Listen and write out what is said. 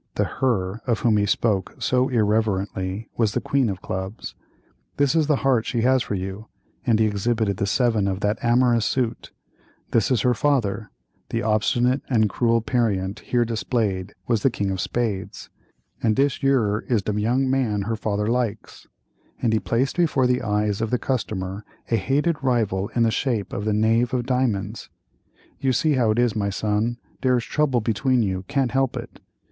The "her" of whom he spoke so irreverently, was the queen of clubs. "This is the heart she has for you," and he exhibited the seven of that amorous suit. "This is her father"—the obstinate and cruel "parient" here displayed, was the king of spades—"and dis yer is de young man her father likes," and he placed before the eyes of the customer a hated rival in the shape of the knave of diamonds. "You see how it is, my son, dere is trouble between you—can't help it.